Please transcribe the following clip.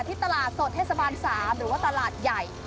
ที่ตลาดสดเทศบาล๓หรือว่าตลาดใหญ่